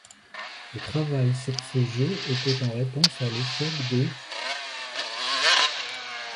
Le travail sur ce jeu était en réponse à l'échec de '.